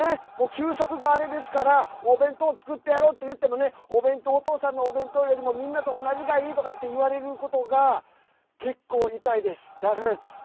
給食があれですから弁当を作ってやろうと思うんですけどお父さんのお弁当よりもみんなと同じがいいっていわれることが結構痛いです。